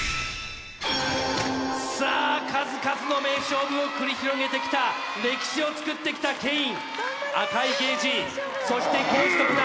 さあ数々の名勝負を繰り広げてきた歴史をつくってきたケイン赤いゲージそしてコージ・